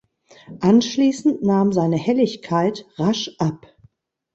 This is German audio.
Anschließend nahm seine Helligkeit rasch ab.